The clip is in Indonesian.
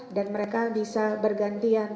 dan mereka bisa bergantian